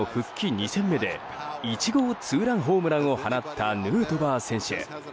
２戦目で１号ツーランホームランを放ったヌートバー選手。